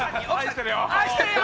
愛してるよ。